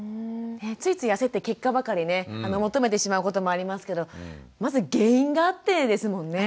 ついつい焦って結果ばかりね求めてしまうこともありますけどまず原因があってですもんね。